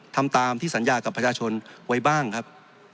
ทำตามที่สัญญากับประชาชนไว้บ้างครับ